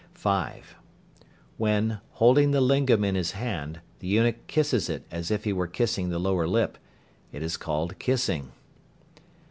(5). When, holding the lingam in his hand, the eunuch kisses it as if he were kissing the lower lip, it is called "kissing."